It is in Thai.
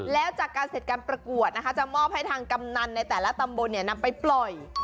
แล้วจากการเสร็จการประกวดนะคะจะมอบให้ทางกำนันในแต่ละตำบลนำไปปล่อย